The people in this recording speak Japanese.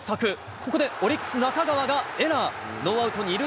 ここでオリックス、中川がエラー。